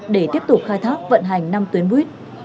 để tiếp tục khai thác vận hành năm tuyến buýt